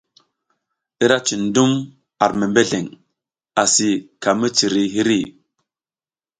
Ira cin dum ar membeleng asi ka miciri hiri.